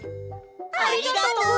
ありがとう！